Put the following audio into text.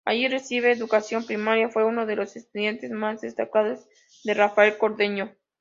Allí recibe educación primaria, fue uno de los estudiantes más destacados de Rafael Cordero.